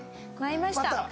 舞いました。